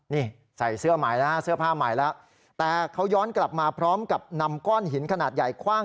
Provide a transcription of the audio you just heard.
นี่ใส่เสื้อผ้าใหม่แล้วแต่เขาย้อนกลับมาพร้อมกับนำก้อนหินขนาดใหญ่คว่าง